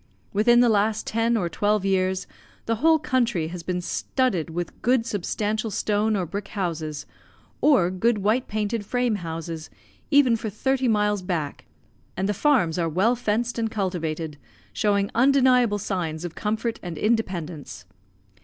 Within the last ten or twelve years the whole country has been studded with good substantial stone or brick houses, or good white painted frame houses, even for thirty miles back, and the farms are well fenced and cultivated, showing undeniable signs of comfort and independence.